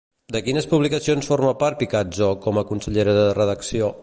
De quines publicacions forma part Picazo com a consellera de redacció?